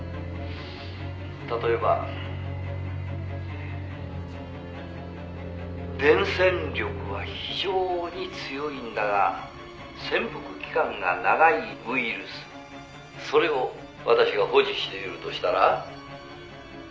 「例えば」「伝染力は非常に強いんだが潜伏期間が長いウイルスそれを私が保持しているとしたら」